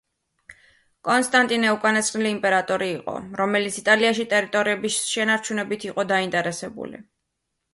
კონსტანტინე უკანასკნელი იმპერატორი იყო, რომელიც იტალიაში ტერიტორიების შენარჩუნებით იყო დაინტერესებული.